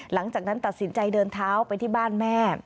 หลังจากนั้นตัดสินใจเดินเท้าไปที่บ้านแม่